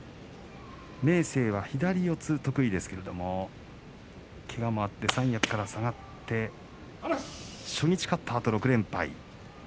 明生は左四つ得意ですけれどもけがもあって三役から下がって初日勝ったあと６連敗。